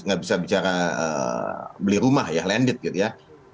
nggak bisa bicara beli rumah ya landed gitu ya